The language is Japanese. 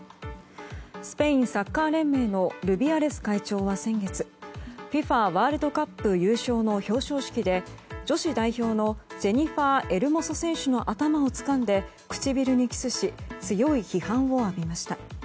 スペインサッカー連盟のルビアレス会長は先月ＦＩＦＡワールドカップ優勝の表彰式で女子代表のジェニファー・エルモソ選手の頭をつかんで唇にキスし強い批判を浴びました。